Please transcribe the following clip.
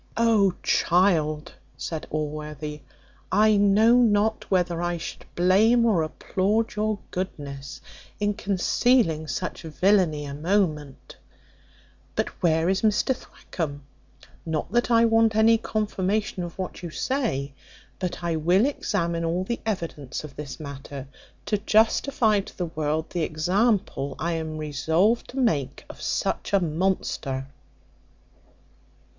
"O child!" said Allworthy, "I know not whether I should blame or applaud your goodness, in concealing such villany a moment: but where is Mr Thwackum? Not that I want any confirmation of what you say; but I will examine all the evidence of this matter, to justify to the world the example I am resolved to make of such a monster."